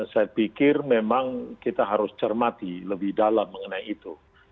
saya pikir memang kita harus cermati lebih dalam mengenai itu